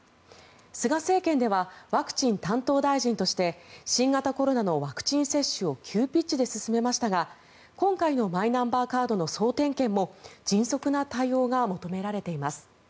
菅政権ではワクチン担当大臣として新型コロナのワクチン接種を急ピッチで進めましたが今回のマイナンバーカードの総点検も迅速な対応が求められています。